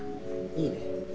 いいね。